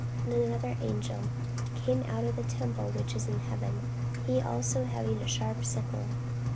And another angel came out of the temple which is in heaven, he also having a sharp sickle.